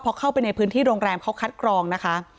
พอเข้าไปในพื้นที่โรงแรมเขาคัดกรองนะคะ